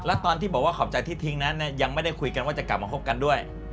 แล้วตอนที่บอกว่าขอบใจที่ทิ้งนั้นยังไม่ได้คุยกันว่าจะกลับมาคบกันด้วย